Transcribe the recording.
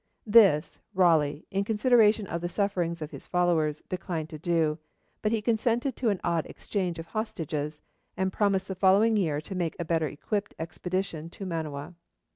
This, Raleigh, in consideration of the sufferings of his followers, declined to do, but he consented to an odd exchange of hostages, and promised the following year to make a better equipped expedition to Manoa.